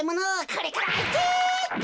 これからあいて！